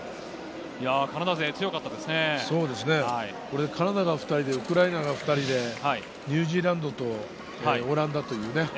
カナダ勢がカナダが２人でウクライナが２人でニュージーランドとオランダというね。